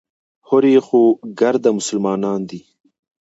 هورې خو ګرده مسلمانان دي.